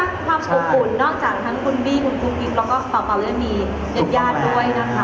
ความอบอุ่นนอกจากทั้งคุณบี้คุณกุ๊กกิ๊บแล้วก็เป่ายังมีญาติญาติด้วยนะคะ